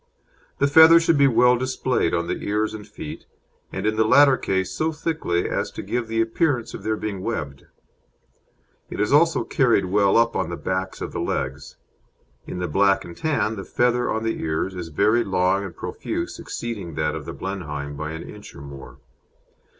The feather should be well displayed on the ears and feet, and in the latter case so thickly as to give the appearance of their being webbed. It is also carried well up the backs of the legs. In the Black and Tan the feather on the ears is very long and profuse, exceeding that of the Blenheim by an inch or more.